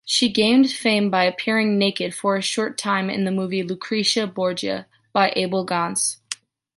She gained fame by appearing naked for a short time in the movie “Lucrecia Borgia” by Abel Gance.